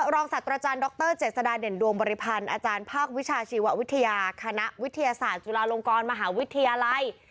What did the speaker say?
สัตว์อาจารย์ดรเจษฎาเด่นดวงบริพันธ์อาจารย์ภาควิชาชีววิทยาคณะวิทยาศาสตร์จุฬาลงกรมหาวิทยาลัย